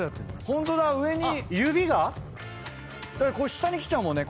下にきちゃうもんね